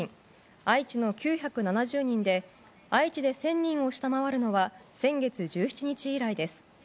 愛知の９７０人で愛知で１０００人を下回るのは先月１７日以来です。